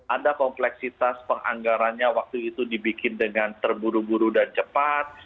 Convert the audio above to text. ada kompleksitas penganggarannya waktu itu dibikin dengan terburu buru dan cepat